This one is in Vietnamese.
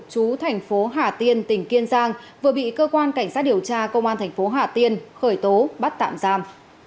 chú thành phố hà tiên tỉnh kiên giang vừa bị cơ quan cảnh sát điều tra công an thành phố hà tiên khởi tố bắt tạm giam